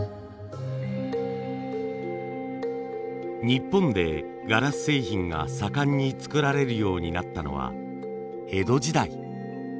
日本でガラス製品が盛んに作られるようになったのは江戸時代。